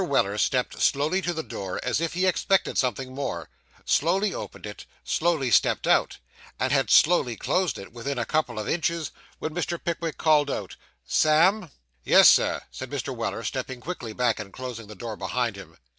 Weller stepped slowly to the door, as if he expected something more; slowly opened it, slowly stepped out, and had slowly closed it within a couple of inches, when Mr. Pickwick called out 'Sam.' 'Yes, sir,' said Mr. Weller, stepping quickly back, and closing the door behind him.